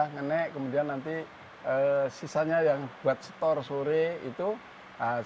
nge nagih kemudian nanti sisanya yang buat setor sore itu saya dikasih sama sopirnya